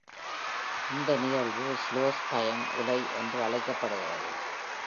இந்த நிகழ்வு "ஸ்லோஸ் பயம் உலை" என்று அழைக்கப்படுகிறது.